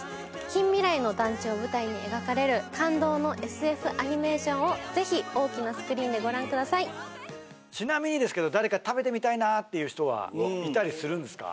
近未来の団地を舞台に描かれる感動のＳＦアニメーションをぜひ大きなスクリーンでご覧くださいちなみにですけどいたりするんですか？